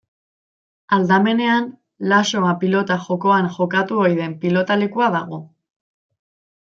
Aldamenean laxoa pilota jokoan jokatu ohi den pilotalekua dago.